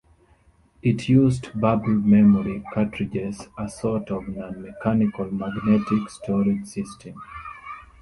It used bubble memory cartridges, a sort of non-mechanical magnetic storage system.